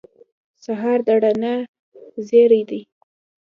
سهار د رڼا زېری دی.